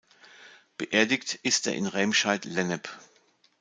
Beerdigt ist er in Remscheid-Lennep.